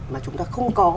mà chúng ta không có